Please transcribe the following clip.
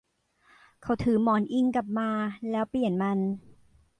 เขาถือหมอนอิงกลับมาแล้วเปลี่ยนมัน